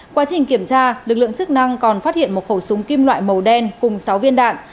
quá trình kiểm tra lực lượng chức năng còn phát hiện một khẩu súng kim loại màu đen cùng sáu viên đạn